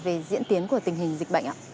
về diễn tiến của tình hình dịch bệnh ạ